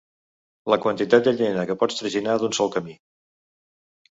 La quantitat de llenya que pots traginar d'un sol camí.